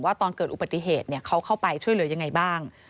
ตอนเกิดอุบัติเหตุเขาเข้าไปช่วยเหลือยังไงบ้าง